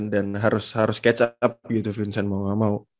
dan harus catch up gitu vincent mau gak mau